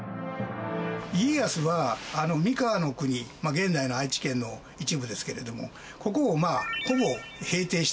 家康は三河国現在の愛知県の一部ですけれどもここをほぼ平定したわけですね。